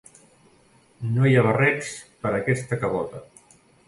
No hi ha barrets per a aquesta cabota.